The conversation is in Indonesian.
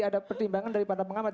ada pertimbangan dari pada pengamat